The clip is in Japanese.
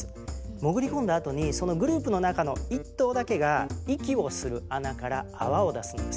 潜り込んだあとにそのグループの中の１頭だけが息をする穴から泡を出すんです。